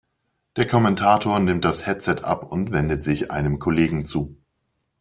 Der Kommentator nimmt das Headset ab und wendet sich einem Kollegen zu.